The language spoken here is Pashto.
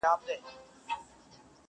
خو د هر چا ذهن کي درد پاته وي